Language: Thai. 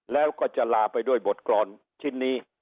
แล้วก็จะลาไปด้วยบทกรรมชิ้นนี้